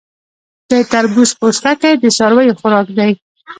د تربوز پوستکی د څارویو خوراک دی.